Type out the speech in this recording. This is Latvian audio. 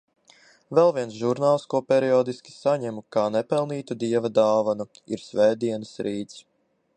Vēl viens žurnāls, ko periodiski saņemu kā nepelnītu Dieva dāvanu, ir Svētdienas Rīts.